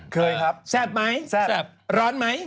คิดครับแซ่บไหมครับจะร้อนไหม